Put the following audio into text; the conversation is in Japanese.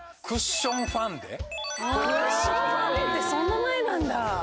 クッションファンデってそんな前なんだ。